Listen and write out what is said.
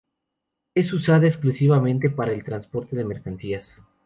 Es usada exclusivamente para el transporte de mercancías.